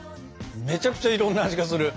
めちゃくちゃいろんな味がする。